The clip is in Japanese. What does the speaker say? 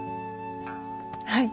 はい。